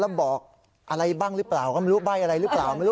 แล้วบอกอะไรบ้างรึเปล่าและไม่รู้ใบ้อะไรหรือเปล่า